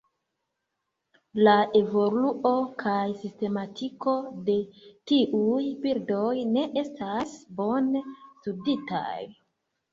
La evoluo kaj sistematiko de tiuj birdoj ne estas bone studitaj.